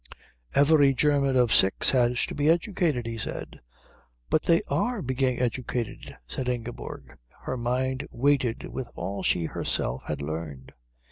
"Every German of six has to be educated," he said. "But they are being educated," said Ingeborg, her mind weighted with all she herself had learned.